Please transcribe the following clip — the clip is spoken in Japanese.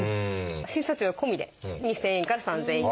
診察料込みで２，０００円から３，０００円。